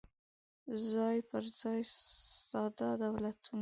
څای پر ځای ساده دولتونه